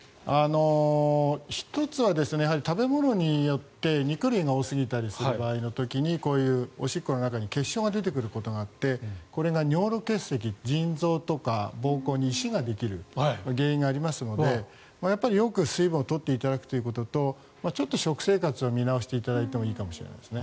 １つは食べ物によって肉類が多すぎたりする時にこういう、おしっこの中に結晶が出てくることがあってこれが尿路結石腎臓とか膀胱に石ができる原因になりますのでよく水分を取っていただくということと食生活を見直していただいてもいいかもしれないですね。